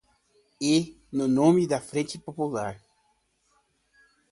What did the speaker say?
E no nome da Frente Popular!